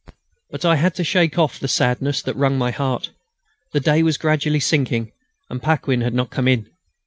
But I had to shake off the sadness that wrung my heart. The day was gradually sinking, and Paquin had not come in.